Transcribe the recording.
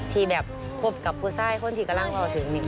ที่แบบคบกับผู้ชายคนที่กำลังรอถึง